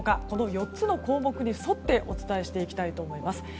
この４つの項目に沿ってお伝えしていきたいと思います。